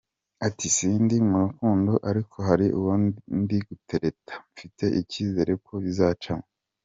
Ati “Sindi mu rukundo ariko hari uwo ndi gutereta, mfite icyizere ko bizacamo.